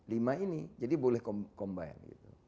lima ini jadi boleh combine